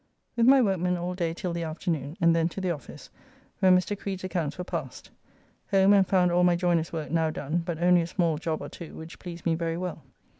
With my workmen all day till the afternoon, and then to the office, where Mr. Creed's accounts were passed. Home and found all my joyner's work now done, but only a small job or two, which please me very well.